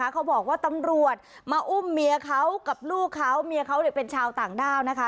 เขาบอกว่าตำรวจมาอุ้มเมียเขากับลูกเขาเมียเขาเป็นชาวต่างด้าวนะคะ